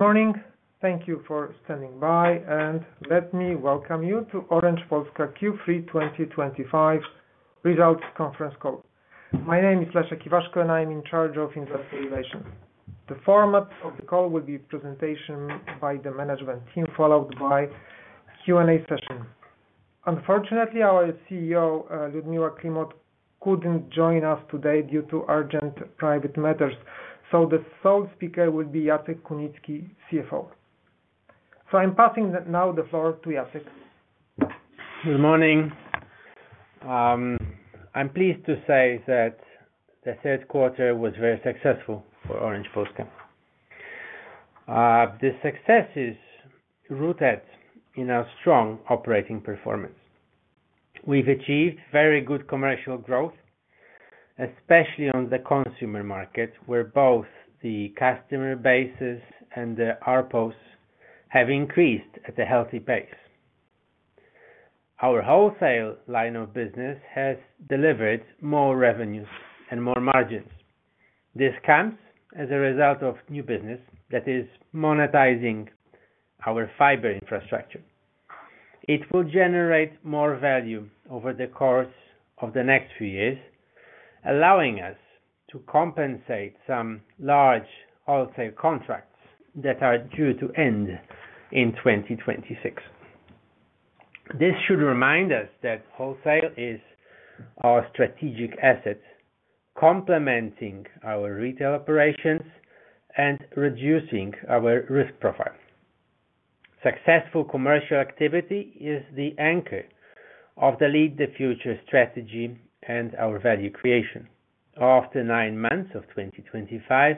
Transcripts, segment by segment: Morning. Thank you for standing by, and let me welcome you to Orange Polska Q3 2025 results conference call. My name is Leszek Iwaszko, and I'm in charge of Investor Relations. The format of the call will be a presentation by the management team, followed by a Q&A session. Unfortunately, our CEO, Liudmila Climoc, couldn't join us today due to urgent private matters, so the sole speaker will be Jacek Kunicki, CFO. I'm passing now the floor to Jacek. Good morning. I'm pleased to say that the third quarter was very successful for Orange Polska. The success is rooted in our strong operating performance. We've achieved very good commercial growth, especially on the consumer market, where both the customer bases and the RPOs have increased at a healthy pace. Our wholesale line of business has delivered more revenue and more margins. This comes as a result of new business that is monetizing our fiber infrastructure. It will generate more value over the course of the next few years, allowing us to compensate some large wholesale contracts that are due to end in 2026. This should remind us that wholesale is our strategic asset, complementing our retail operations and reducing our risk profile. Successful commercial activity is the anchor of the Lead the Future strategy and our value creation. After nine months of 2025,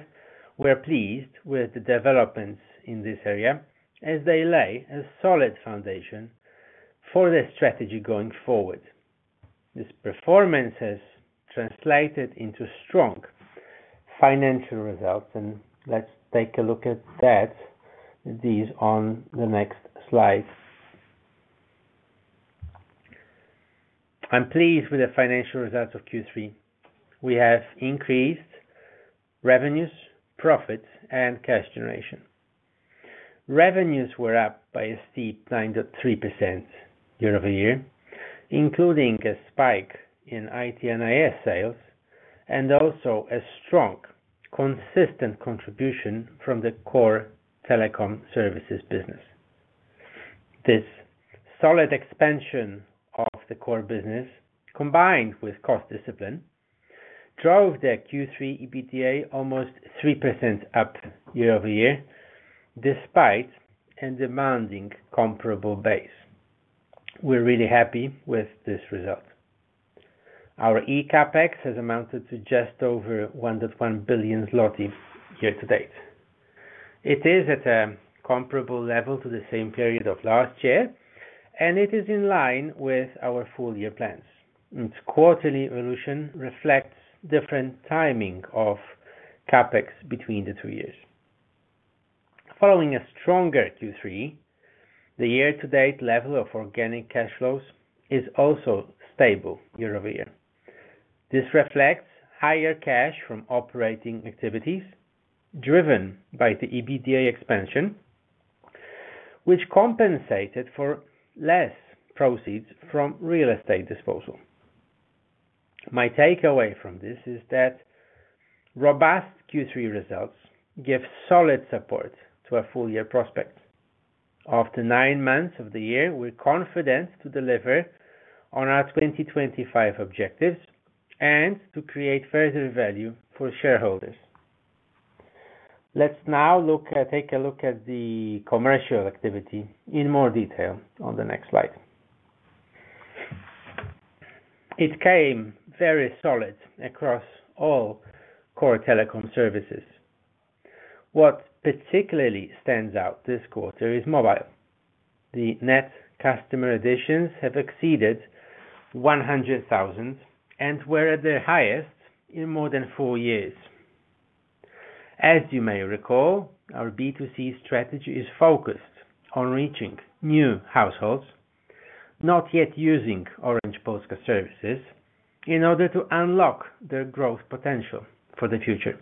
we're pleased with the developments in this area, as they lay a solid foundation for the strategy going forward. This performance has translated into strong financial results, and let's take a look at these on the next slide. I'm pleased with the financial results of Q3. We have increased revenues, profits, and cash generation. Revenues were up by a steep 9.3% year-over-year, including a spike in IT and IS sales, and also a strong, consistent contribution from the core telecom services business. This solid expansion of the core business, combined with cost discipline, drove the Q3 EBITDA almost 3% up year-over-year, despite a demanding comparable base. We're really happy with this result. Our ECapEx has amounted to just over 1.1 billion zloty year to date. It is at a comparable level to the same period of last year, and it is in line with our full-year plans. This quarterly evolution reflects different timing of CapEx between the two years. Following a stronger Q3, the year-to-date level of organic cash flows is also stable year-over-year. This reflects higher cash from operating activities, driven by the EBITDA expansion, which compensated for less proceeds from real estate disposal. My takeaway from this is that robust Q3 results give solid support to our full-year prospects. After nine months of the year, we're confident to deliver on our 2025 objectives and to create further value for shareholders. Let's now take a look at the commercial activity in more detail on the next slide. It came very solid across all core telecom services. What particularly stands out this quarter is mobile. The net customer additions have exceeded 100,000 and were at their highest in more than four years. As you may recall, our B2C strategy is focused on reaching new households not yet using Orange Polska services in order to unlock their growth potential for the future.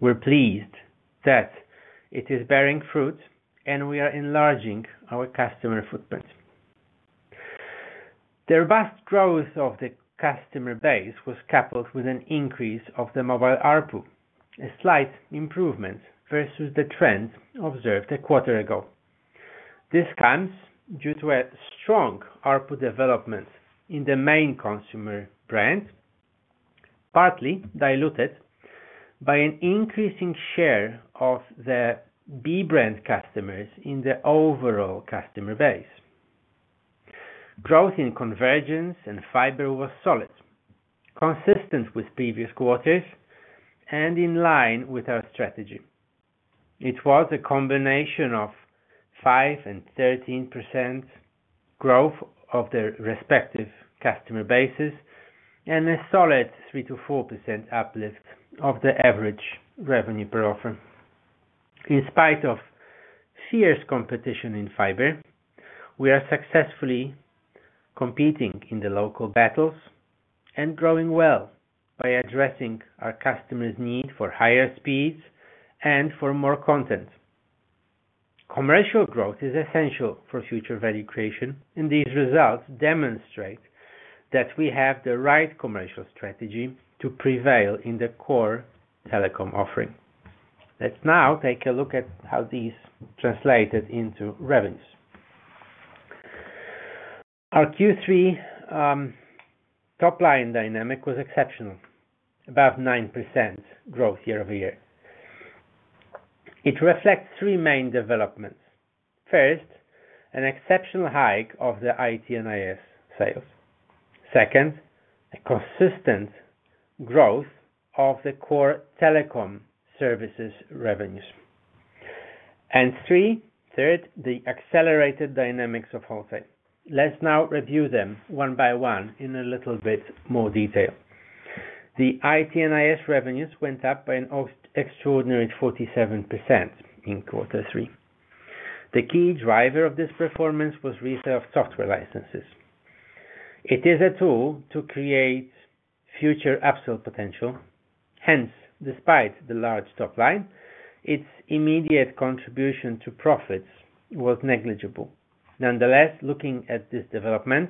We're pleased that it is bearing fruit and we are enlarging our customer footprint. The robust growth of the customer base was coupled with an increase of the mobile ARPU, a slight improvement versus the trend observed a quarter ago. This comes due to a strong ARPU development in the main consumer brand, partly diluted by an increasing share of the B-brand customers in the overall customer base. Growth in convergence and fiber was solid, consistent with previous quarters, and in line with our strategy. It was a combination of 5% and 13% growth of the respective customer bases and a solid 3% to 4% uplift of the average revenue per offer. In spite of fierce competition in fiber, we are successfully competing in the local battles and growing well by addressing our customers' need for higher speeds and for more content. Commercial growth is essential for future value creation, and these results demonstrate that we have the right commercial strategy to prevail in the core telecom offering. Let's now take a look at how these translated into revenues. Our Q3 top-line dynamic was exceptional, above 9% growth year-over-year. It reflects three main developments. First, an exceptional hike of the IT and IS sales. Second, a consistent growth of the core telecom services revenues. Third, the accelerated dynamics of wholesale. Let's now review them one by one in a little bit more detail. The IT and IS revenues went up by an extraordinary 47% in quarter three. The key driver of this performance was resale of software licenses. It is a tool to create future upsell potential. Hence, despite the large top line, its immediate contribution to profits was negligible. Nonetheless, looking at this development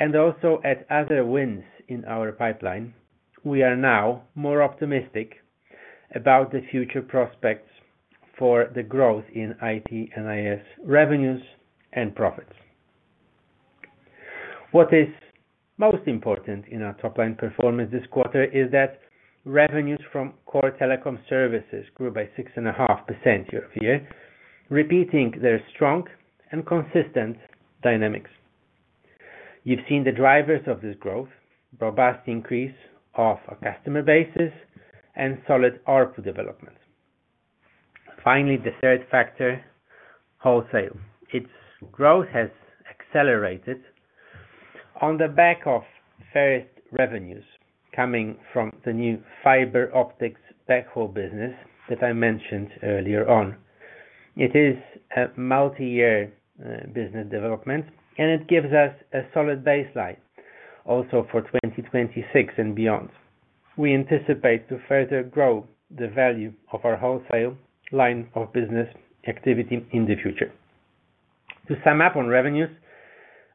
and also at other wins in our pipeline, we are now more optimistic about the future prospects for the growth in IT and IS revenues and profits. What is most important in our top-line performance this quarter is that revenues from core telecom services grew by 6.5% year-over-year, repeating their strong and consistent dynamics. You've seen the drivers of this growth: robust increase of our customer bases and solid ARPU development. Finally, the third factor, wholesale. Its growth has accelerated on the back of first revenues coming from the new fiber optics backhaul business that I mentioned earlier on. It is a multi-year business development, and it gives us a solid baseline also for 2026 and beyond. We anticipate to further grow the value of our wholesale line of business activity in the future. To sum up on revenues,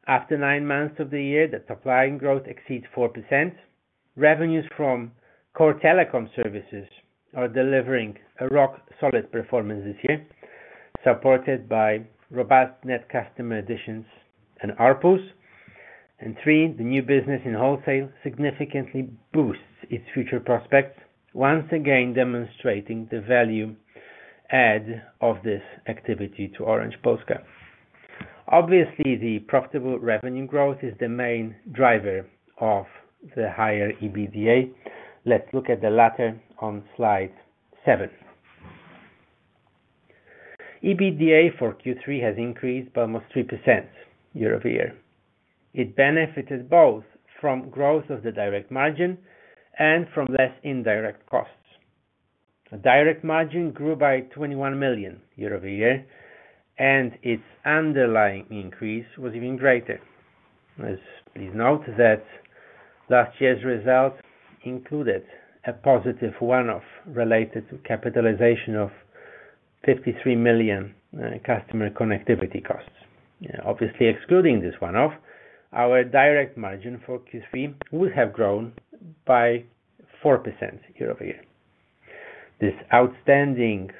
after nine months of the year, the top-line growth exceeds 4%. Revenues from core telecom services are delivering a rock-solid performance this year, supported by robust net customer additions and RPUs. The new business in wholesale significantly boosts its future prospects, once again demonstrating the value add of this activity to Orange Polska. Obviously, the profitable revenue growth is the main driver of the higher EBITDA. Let's look at the latter on slide seven. EBITDA for Q3 has increased by almost 3% year-over-year. It benefited both from growth of the direct margin and from less indirect costs. The direct margin grew by 21 million year-over-year, and its underlying increase was even greater. Please note that last year's results included a positive one-off related to capitalization of 53 million customer connectivity costs. Obviously, excluding this one-off, our direct margin for Q3 would have grown by 4% year-over-year. This outstanding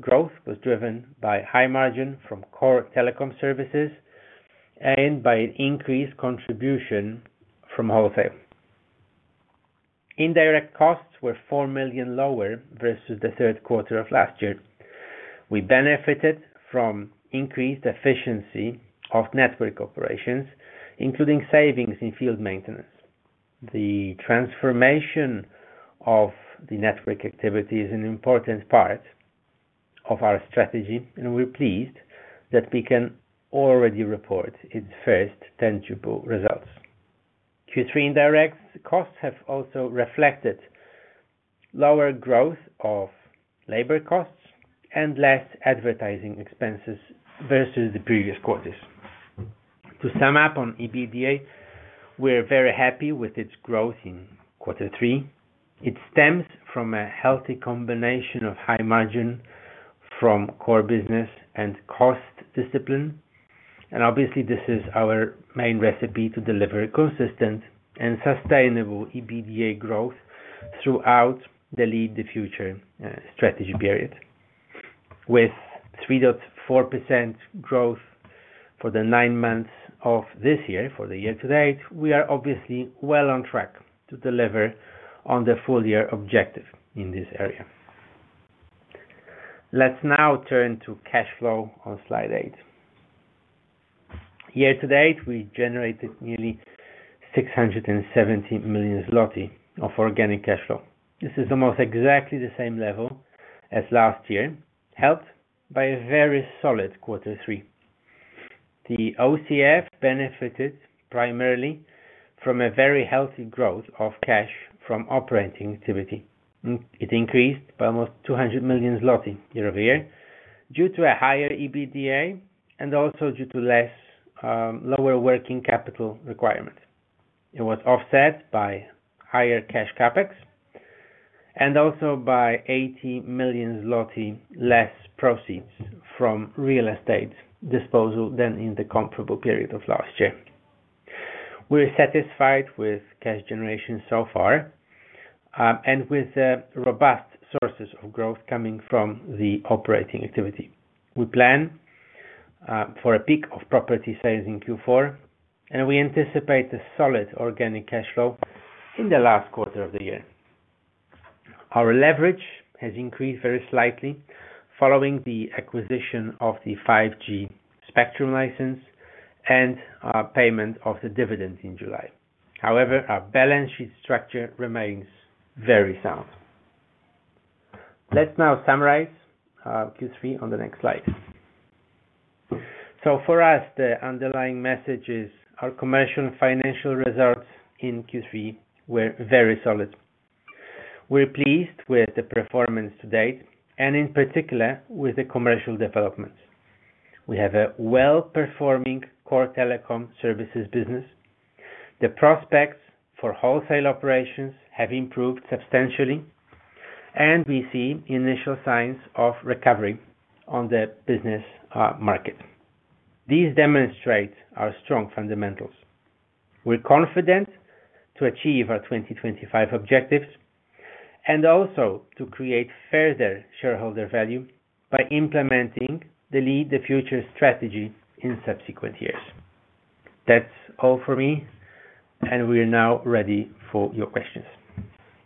growth was driven by high margin from core telecom services and by an increased contribution from wholesale. Indirect costs were 4 million lower versus the third quarter of last year. We benefited from increased efficiency of network operations, including savings in field maintenance. The transformation of the network activity is an important part of our strategy, and we're pleased that we can already report its first tangible results. Q3 indirect costs have also reflected lower growth of labor costs and less advertising expenses versus the previous quarters. To sum up on EBITDA, we're very happy with its growth in quarter three. It stems from a healthy combination of high margin from core business and cost discipline. Obviously, this is our main recipe to deliver consistent and sustainable EBITDA growth throughout the Lead the Future strategy period. With 3.4% growth for the nine months of this year, for the year to date, we are obviously well on track to deliver on the full-year objective in this area. Let's now turn to cash flow on slide eight. Year to date, we generated nearly 670 million zloty of organic cash flow. This is almost exactly the same level as last year, helped by a very solid quarter three. The OCF benefited primarily from a very healthy growth of cash from operating activity. It increased by almost 200 million zloty year-over-year due to a higher EBITDA and also due to lower working capital requirements. It was offset by higher cash CapEx and also by 80 million zloty less proceeds from real estate disposals than in the comparable period of last year. We're satisfied with cash generation so far and with the robust sources of growth coming from the operating activity. We plan for a peak of property sales in Q4, and we anticipate a solid organic cash flow in the last quarter of the year. Our leverage has increased very slightly following the acquisition of the 5G spectrum license and payment of the dividend in July. However, our balance sheet structure remains very sound. Let's now summarize Q3 on the next slide. For us, the underlying message is our commercial and financial results in Q3 were very solid. We're pleased with the performance to date and, in particular, with the commercial developments. We have a well-performing core telecom services business. The prospects for wholesale operations have improved substantially, and we see initial signs of recovery on the business market. These demonstrate our strong fundamentals. We're confident to achieve our 2025 objectives and also to create further shareholder value by implementing the Lead the Future strategy in subsequent years. That's all for me, and we're now ready for your questions.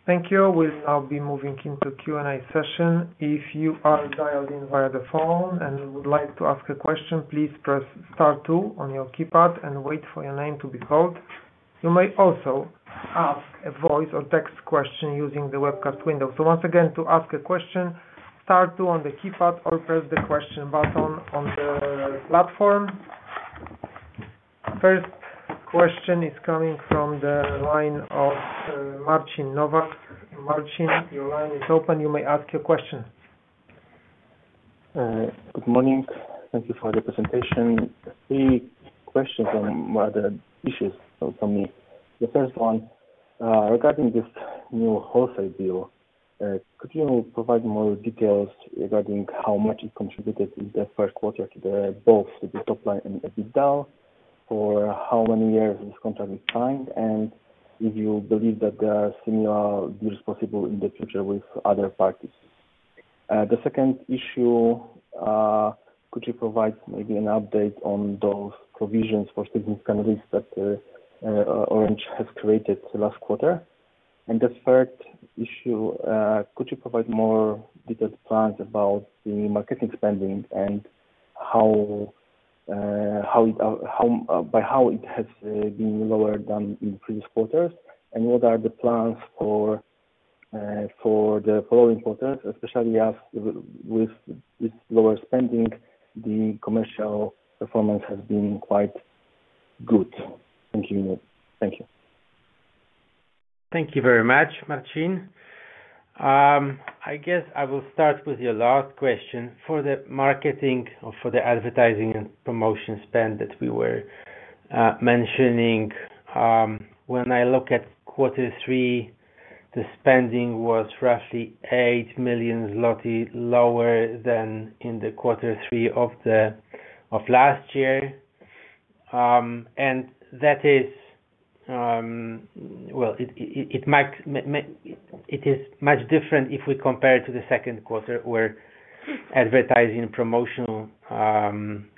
Thank you. We'll now be moving into the Q&A session. If you are dialed in via the phone and would like to ask a question, please press Star two on your keypad and wait for your name to be called. You may also ask a voice or text question using the webcast window. Once again, to ask a question, Star two on the keypad or press the question button on the platform. First question is coming from the line of Marcin Nowak. Marcin, your line is open. You may ask your question. Good morning. Thank you for the presentation. Three questions on more other issues from me. The first one, regarding this new wholesale deal, could you provide more details regarding how much it contributed in the first quarter to both the top line and EBITDA? For how many years is this contract signed? If you believe that there are similar deals possible in the future with other parties. The second issue, could you provide maybe an update on those provisions for significant risks that Orange Polska has created last quarter? The third issue, could you provide more detailed plans about the marketing spending and how it has been lower than in the previous quarters? What are the plans for the following quarters, especially as with this lower spending, the commercial performance has been quite good? Thank you. Thank you very much, Marcin. I guess I will start with your last question. For the marketing or for the advertising and promotion spend that we were mentioning, when I look at quarter three, the spending was roughly 8 million zloty lower than in the quarter three of last year. That is, it is much different if we compare it to the second quarter where advertising and promotional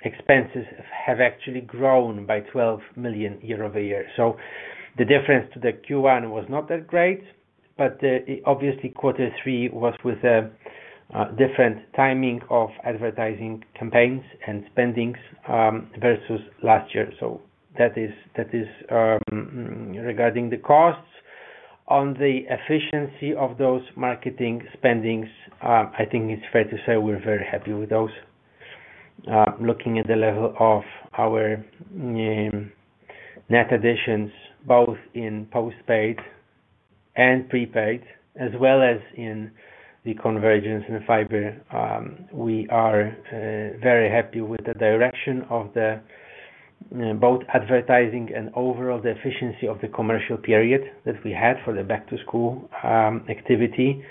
expenses have actually grown by 12 million year-over-year. The difference to the Q1 was not that great, but obviously, quarter three was with a different timing of advertising campaigns and spendings versus last year. That is regarding the costs. On the efficiency of those marketing spendings, I think it's fair to say we're very happy with those. Looking at the level of our net additions, both in postpaid and prepay, as well as in the convergence services and fiber, we are very happy with the direction of both advertising and overall the efficiency of the commercial period that we had for the back-to-school activity.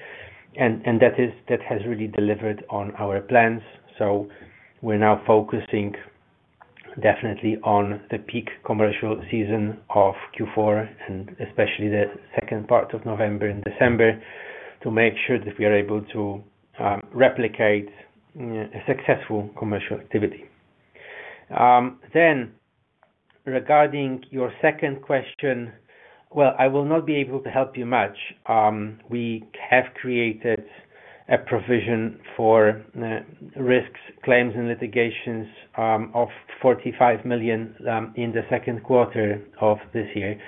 That has really delivered on our plans. We are now focusing definitely on the peak commercial season of Q4, and especially the second part of November and December, to make sure that we are able to replicate a successful commercial activity. Regarding your second question, I will not be able to help you much. We have created a provision for risks, claims, and litigations of 45 million in the second quarter of this year.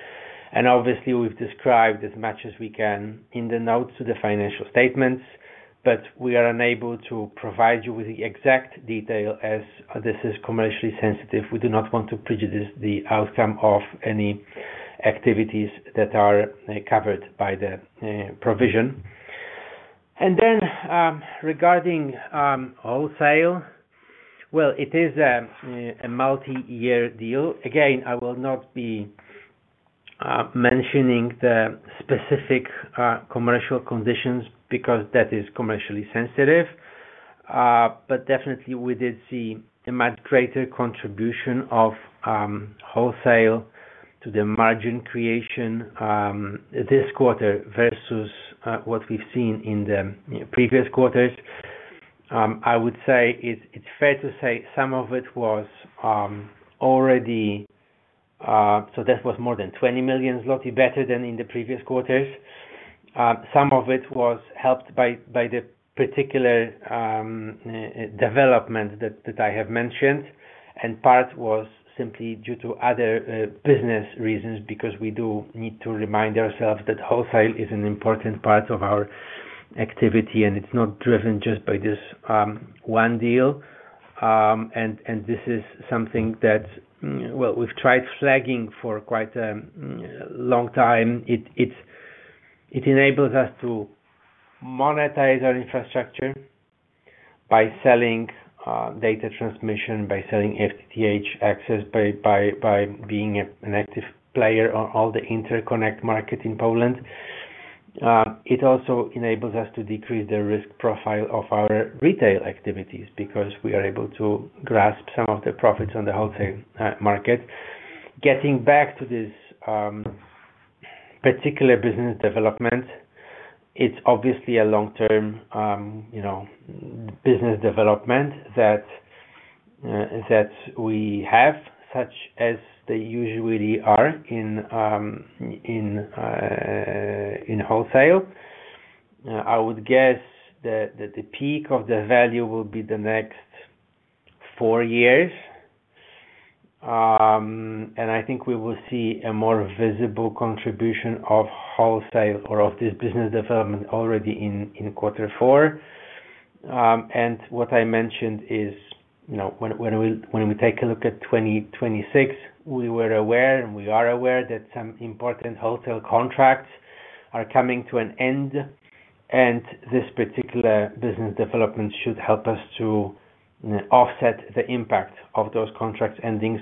Obviously, we've described as much as we can in the notes to the financial statements, but we are unable to provide you with the exact detail as this is commercially sensitive. We do not want to prejudice the outcome of any activities that are covered by the provision. Regarding wholesale, it is a multi-year deal. I will not be mentioning the specific commercial conditions because that is commercially sensitive. Definitely, we did see a much greater contribution of wholesale to the margin creation this quarter versus what we've seen in the previous quarters. I would say it's fair to say some of it was already, so that was more than 20 million zloty better than in the previous quarters. Some of it was helped by the particular development that I have mentioned, and part was simply due to other business reasons because we do need to remind ourselves that wholesale is an important part of our activity and it's not driven just by this one deal. This is something that we've tried flagging for quite a long time. It enables us to monetize our infrastructure by selling data transmission, by selling FTTH access, by being an active player on all the interconnect markets in Poland. It also enables us to decrease the risk profile of our retail activities because we are able to grasp some of the profits on the wholesale market. Getting back to this particular business development, it's obviously a long-term business development that we have, such as they usually are in wholesale. I would guess that the peak of the value will be the next four years. I think we will see a more visible contribution of wholesale or of this business development already in quarter four. What I mentioned is, you know, when we take a look at 2026, we were aware and we are aware that some important wholesale contracts are coming to an end. This particular business development should help us to offset the impact of those contracts ending.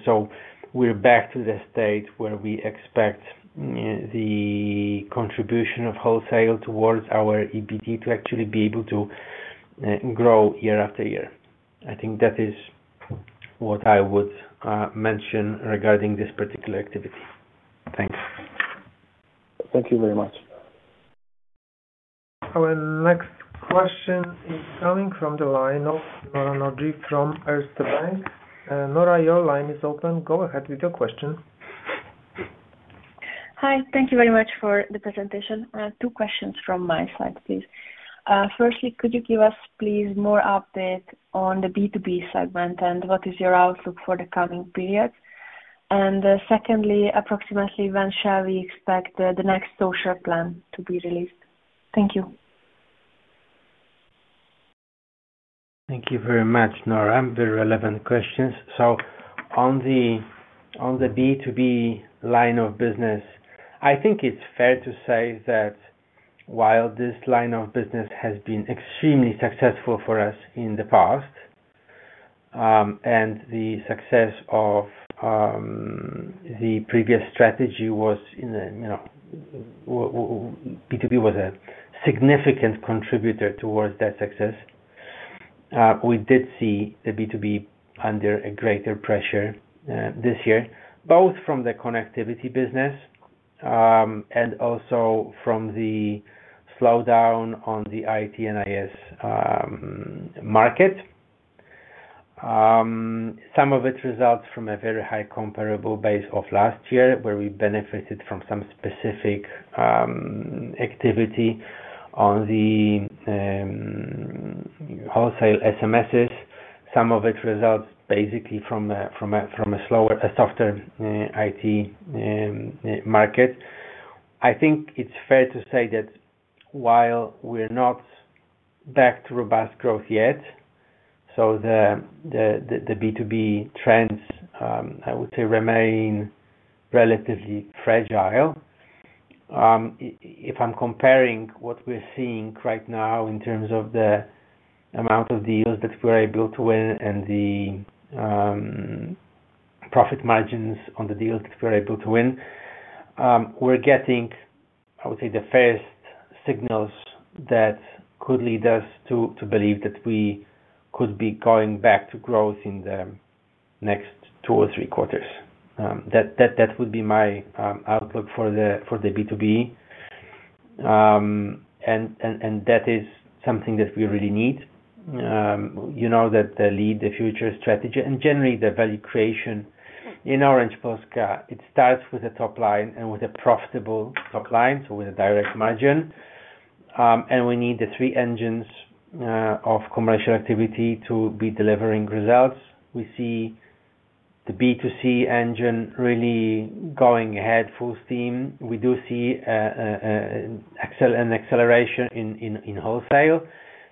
We're back to the state where we expect, you know, the contribution of wholesale towards our EBITDA to actually be able to grow year-after-year. I think that is what I would mention regarding this particular activity. Thanks. Thank you very much. Our next question is coming from the line of Nora Clancy from Ernst & Young. Nora, your line is open. Go ahead with your question. Hi. Thank you very much for the presentation. Two questions from my side, please. Firstly, could you give us, please, more updates on the B2B segment and what is your outlook for the coming period? Secondly, approximately, when shall we expect the next social plan to be released? Thank you. Thank you very much, Nora. Very relevant questions. On the B2B line of business, I think it's fair to say that while this line of business has been extremely successful for us in the past, and the success of the previous strategy in the B2B was a significant contributor towards that success, we did see the B2B under greater pressure this year, both from the connectivity business and also from the slowdown on the IT and IS market. Some of it results from a very high comparable base of last year where we benefited from some specific activity on the wholesale SMSs. Some of it results basically from a softer IT market. I think it's fair to say that while we're not back to robust growth yet, the B2B trends, I would say, remain relatively fragile. If I'm comparing what we're seeing right now in terms of the amount of deals that we're able to win and the profit margins on the deals that we're able to win, we're getting, I would say, the first signals that could lead us to believe that we could be going back to growth in the next two or three quarters. That would be my outlook for the B2B. That is something that we really need. You know that the Lead the Future strategy and generally the value creation in Orange Polska, it starts with a top line and with a profitable top line, so with a direct margin. We need the three engines of commercial activity to be delivering results. We see the B2C engine really going ahead full steam. We do see an acceleration in wholesale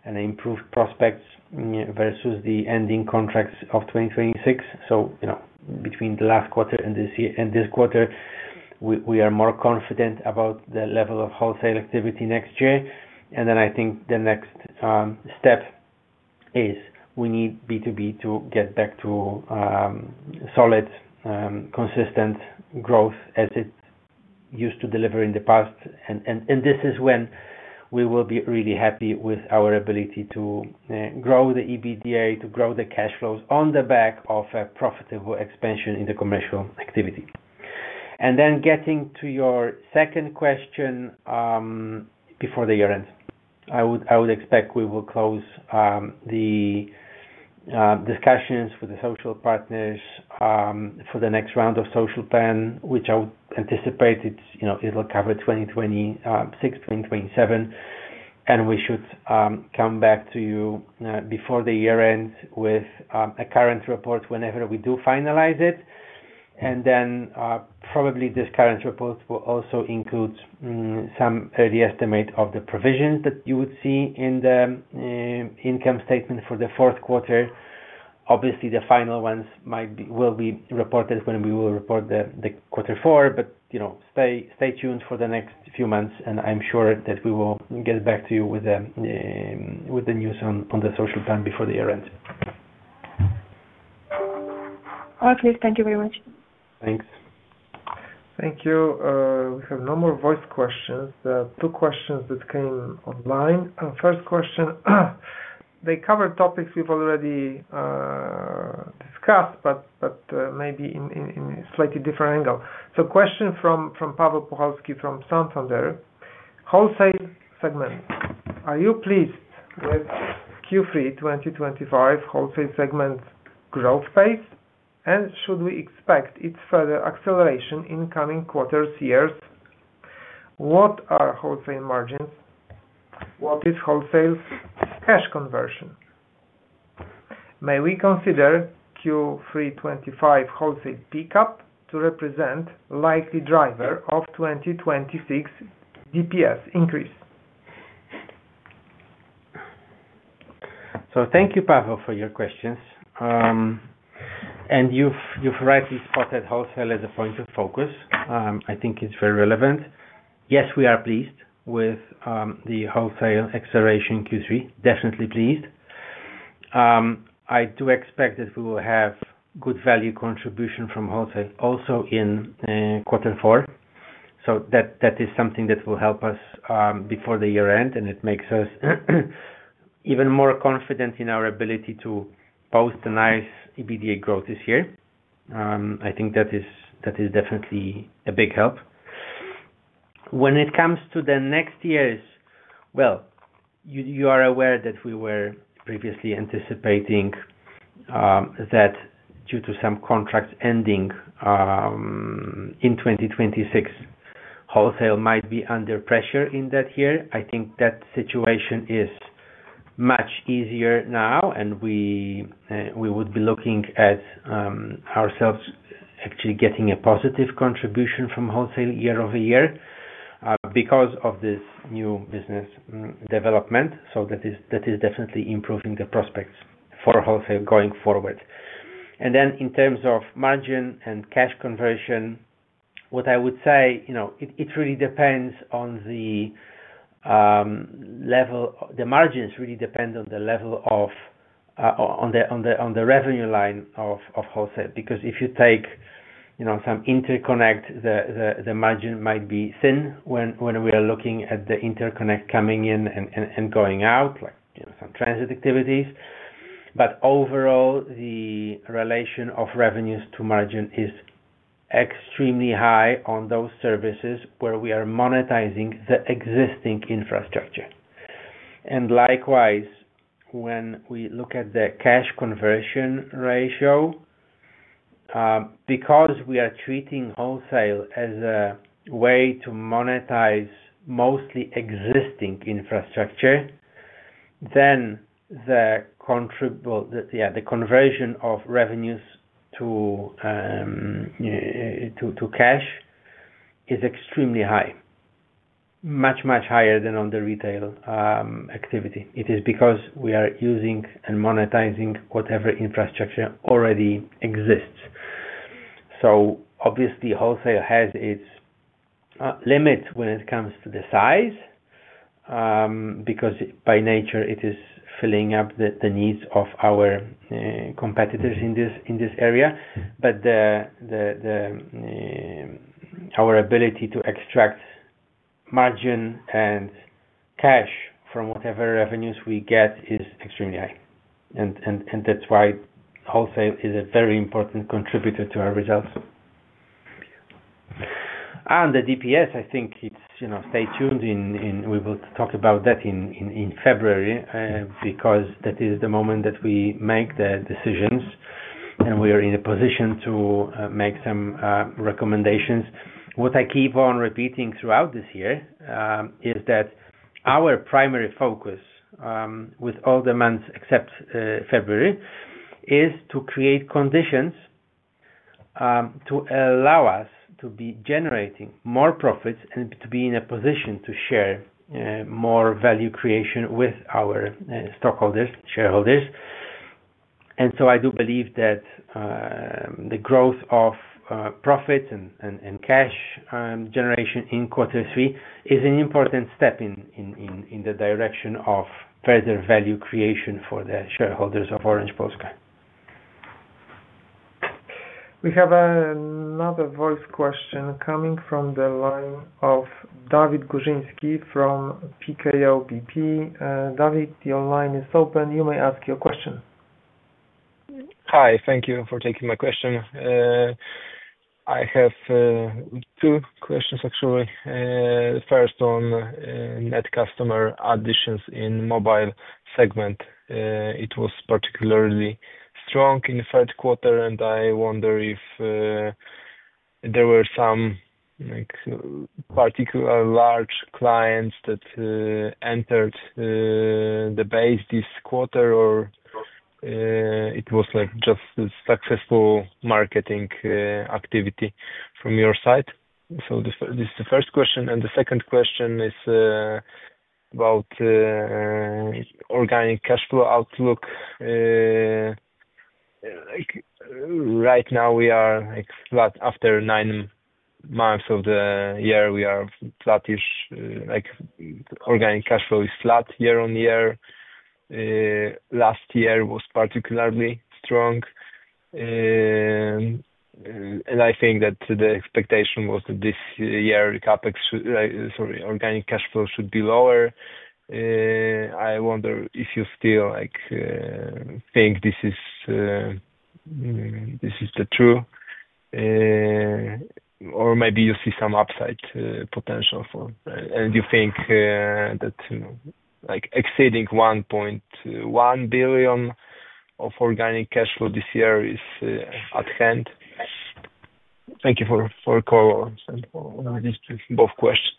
and improved prospects versus the ending contracts of 2026. Between the last quarter and this quarter, we are more confident about the level of wholesale activity next year. I think the next step is we need B2B to get back to solid, consistent growth as it used to deliver in the past. This is when we will be really happy with our ability to grow the EBITDA, to grow the cash flows on the back of a profitable expansion in the commercial activity. Getting to your second question, before the year ends, I would expect we will close the discussions with the social partners for the next round of social plan, which I would anticipate it'll cover 2026, 2027. We should come back to you before the year end with a current report whenever we do finalize it. Probably this current report will also include some early estimate of the provisions that you would see in the income statement for the fourth quarter. Obviously, the final ones will be reported when we will report the quarter four, but stay tuned for the next few months, and I'm sure that we will get back to you with the news on the social plan before the year ends. Okay, thank you very much. Thanks. Thank you. We have no more voice questions. Two questions that came online. First question, they cover topics we've already discussed, but maybe in a slightly different angle. A question from Pavel Puchalski from Santander. Wholesale segment. Are you pleased with Q3 2025 wholesale segment growth phase, and should we expect its further acceleration in coming quarters, years? What are wholesale margins? What is wholesale cash conversion? May we consider Q3 2025 wholesale pickup to represent a likely driver of 2026 DPS increase? Thank you, Pavel, for your questions. You've rightly spotted wholesale as a point of focus. I think it's very relevant. Yes, we are pleased with the wholesale acceleration in Q3. Definitely pleased. I do expect that we will have good value contribution from wholesale also in quarter four. That is something that will help us before the year end, and it makes us even more confident in our ability to post a nice EBITDA growth this year. I think that is definitely a big help. When it comes to the next years, you are aware that we were previously anticipating that due to some contracts ending in 2026, wholesale might be under pressure in that year. I think that situation is much easier now, and we would be looking at ourselves actually getting a positive contribution from wholesale year-over-year because of this new business development. That is definitely improving the prospects for wholesale going forward. In terms of margin and cash conversion, what I would say is it really depends on the level. The margins really depend on the level of the revenue line of wholesale. If you take some interconnect, the margin might be thin when we are looking at the interconnect coming in and going out, like some transit activities. Overall, the relation of revenues to margin is extremely high on those services where we are monetizing the existing infrastructure. Likewise, when we look at the cash conversion ratio, because we are treating wholesale as a way to monetize mostly existing infrastructure, the conversion of revenues to cash is extremely high, much, much higher than on the retail activity. It is because we are using and monetizing whatever infrastructure already exists. Obviously, wholesale has its limits when it comes to the size because by nature, it is filling up the needs of our competitors in this area. Our ability to extract margin and cash from whatever revenues we get is extremely high. That's why wholesale is a very important contributor to our results. The DPS, I think it's, you know, stay tuned. We will talk about that in February because that is the moment that we make the decisions, and we are in a position to make some recommendations. What I keep on repeating throughout this year is that our primary focus, with all the months except February, is to create conditions to allow us to be generating more profits and to be in a position to share more value creation with our stockholders, shareholders. I do believe that the growth of profits and cash generation in quarter three is an important step in the direction of further value creation for the shareholders of Orange Polska. We have another voice question coming from the line of David Gurzyński from Biuro Maklerskie PKO Banku Polskiego. David, your line is open. You may ask your question. Hi. Thank you for taking my question. I have two questions, actually. The first on net customer additions in the mobile segment. It was particularly strong in the third quarter, and I wonder if there were some particular large clients that entered the base this quarter, or it was just a successful marketing activity from your side? This is the first question. The second question is about organic cash flow outlook. Right now, we are flat. After nine months of the year, we are flattish. Organic cash flow is flat year-on-year. Last year was particularly strong. I think that the expectation was that this year, CapEx, sorry, organic cash flow should be lower. I wonder if you still think this is the truth, or maybe you see some upside potential, and you think that, you know, like exceeding 1.1 billion of organic cash flow this year is at hand? Thank you for your call and for allowing us to. Both questions.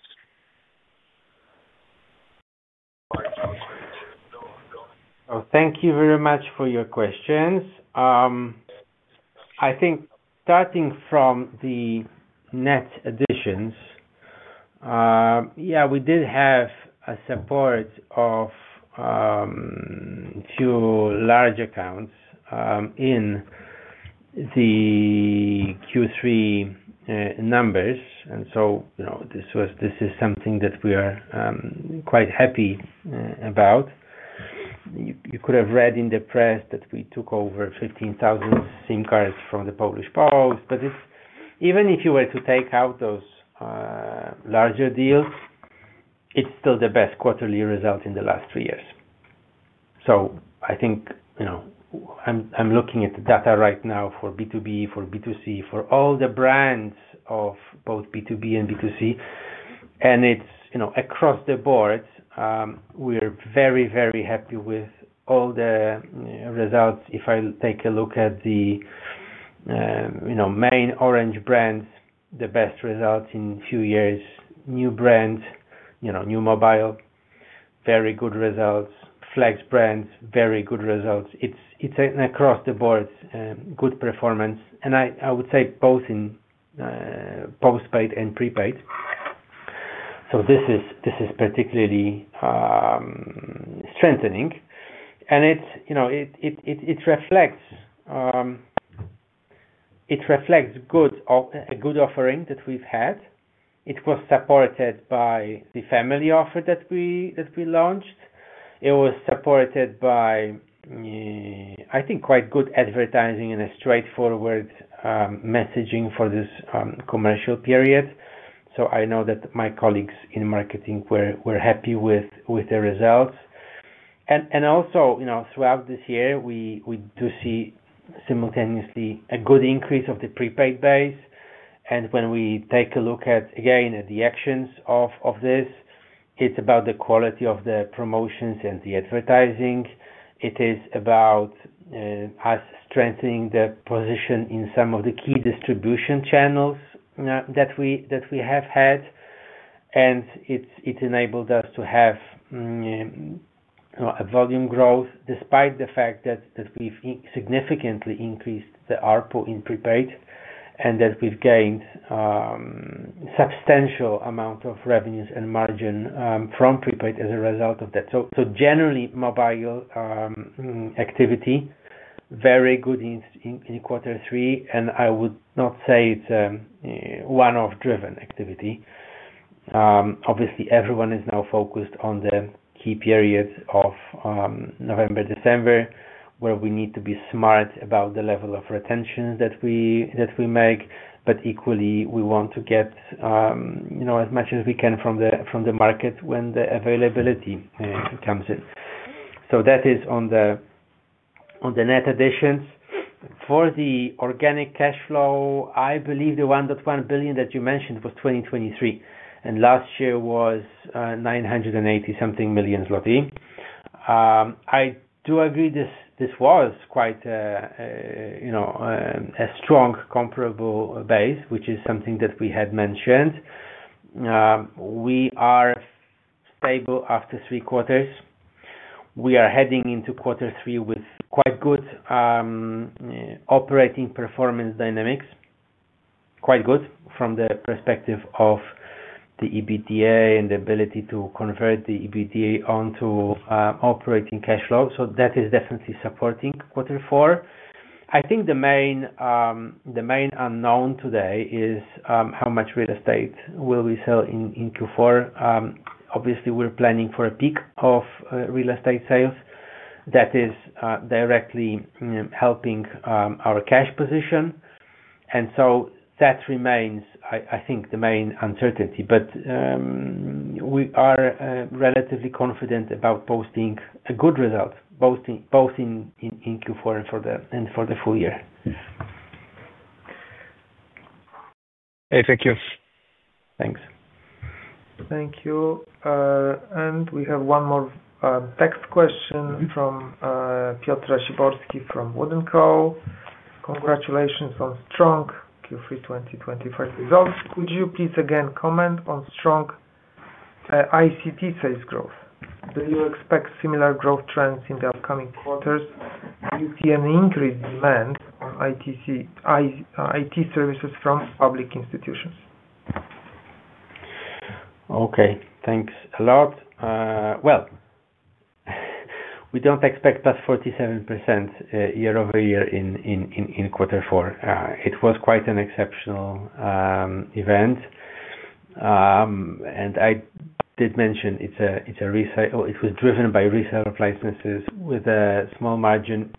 Thank you very much for your questions. I think starting from the net additions, we did have a support of a few large accounts in the Q3 numbers. This is something that we are quite happy about. You could have read in the press that we took over 15,000 SIM cards from the Polish Post. Even if you were to take out those larger deals, it's still the best quarterly result in the last three years. I think, I'm looking at the data right now for B2B, for B2C, for all the brands of both B2B and B2C. It's across the board, we're very, very happy with all the results. If I take a look at the main Orange brands, the best results in a few years. New brands, new mobile, very good results. Flex brands, very good results. It's an across-the-board good performance. I would say both in postpaid and prepay. This is particularly strengthening. It reflects a good offering that we've had. It was supported by the family offer that we launched. It was supported by, I think, quite good advertising and a straightforward messaging for this commercial period. I know that my colleagues in marketing were happy with the results. Also, throughout this year, we do see simultaneously a good increase of the prepay base. When we take a look again at the actions of this, it's about the quality of the promotions and the advertising. It is about us strengthening the position in some of the key distribution channels that we have had. It enabled us to have a volume growth despite the fact that we've significantly increased the ARPU in prepay and that we've gained a substantial amount of revenues and margin from prepay as a result of that. Generally, mobile activity, very good in quarter three. I would not say it's a one-off driven activity. Obviously, everyone is now focused on the key periods of November, December, where we need to be smart about the level of retention that we make. Equally, we want to get as much as we can from the market when the availability comes in. That is on the net additions. For the organic cash flow, I believe the 1.1 billion that you mentioned was 2023, and last year was 980 million zloty. I do agree this was quite a strong comparable base, which is something that we had mentioned. We are stable after three quarters. We are heading into quarter three with quite good operating performance dynamics, quite good from the perspective of the EBITDA and the ability to convert the EBITDA onto operating cash flow. That is definitely supporting quarter four. I think the main unknown today is how much real estate will we sell in Q4. Obviously, we're planning for a peak of real estate sales. That is directly helping our cash position. That remains, I think, the main uncertainty. We are relatively confident about posting a good result both in Q4 and for the full year. Thank you. Thanks. Thank you. We have one more text question from Piotr Szyborski from Wood & Co. Congratulations on strong Q3 2025 results. Could you please again comment on strong ICT sales growth? Do you expect similar growth trends in the upcoming quarters? Do you see an increased demand on IT services from public institutions? Okay. Thanks a lot. We don't expect past 47% year-over-year in quarter four. It was quite an exceptional event. I did mention it was driven by resale of licenses with a small margin.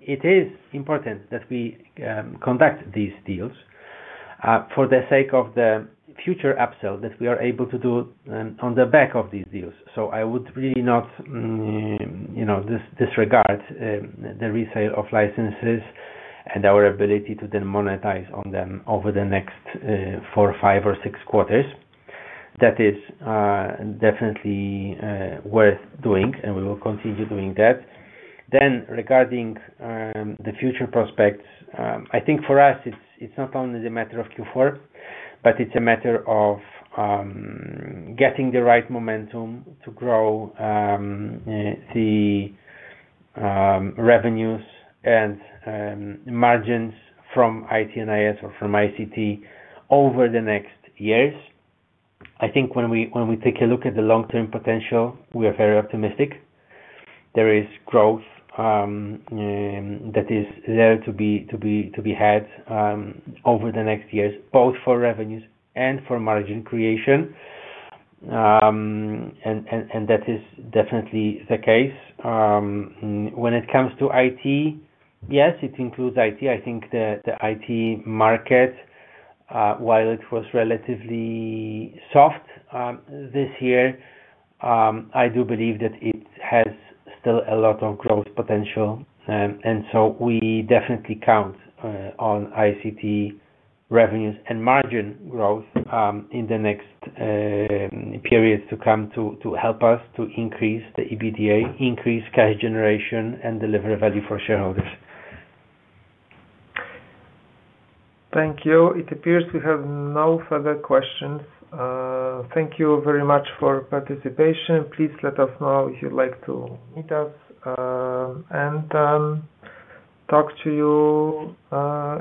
It is important that we conduct these deals for the sake of the future upsell that we are able to do on the back of these deals. I would really not disregard the resale of licenses and our ability to then monetize on them over the next four, five, or six quarters. That is definitely worth doing, and we will continue doing that. Regarding the future prospects, I think for us, it's not only the matter of Q4, but it's a matter of getting the right momentum to grow the revenues and margins from IT and IS or from ICT over the next years. I think when we take a look at the long-term potential, we are very optimistic. There is growth that is there to be had over the next years, both for revenues and for margin creation. That is definitely the case. When it comes to IT, yes, it includes IT. I think the IT market, while it was relatively soft this year, I do believe that it has still a lot of growth potential. We definitely count on ICT revenues and margin growth in the next periods to come to help us to increase the EBITDA, increase cash generation, and deliver value for shareholders. Thank you. It appears we have no further questions. Thank you very much for participation. Please let us know if you'd like to meet us and talk to you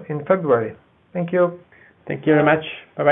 in February. Thank you. Thank you very much. Bye.